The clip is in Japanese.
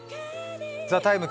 「ＴＨＥＴＩＭＥ，」